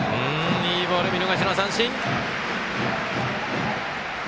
いいボール、見逃し三振！